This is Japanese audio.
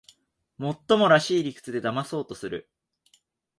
もっともらしい理屈でだまそうとする